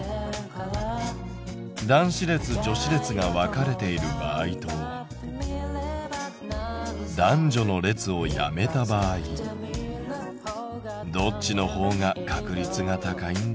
男子列・女子列が分かれている場合と男女の列をやめた場合どっちの方が確率が高いんだろう？